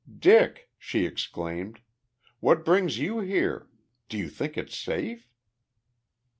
"Dick!" she exclaimed. "What brings you here? Do you think it's safe?"